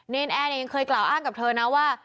นแอร์เนี่ยยังเคยกล่าวอ้างกับเธอนะว่า